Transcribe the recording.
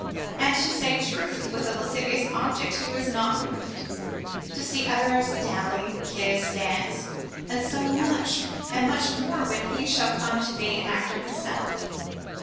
And to say truth, with a lascivious object who is not moved, to see others dally, kiss, dance? And much more when he shall come to be an actor himself.